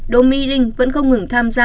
đỗ mỹ linh vẫn không ngừng tham gia